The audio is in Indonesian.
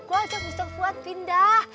gue ajak mr fuad pindah